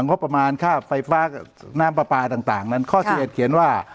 งบประมาณค่าไฟฟ้าน้ำปลาปลาต่างต่างนั้นข้อสี่เอ็ดเขียนว่า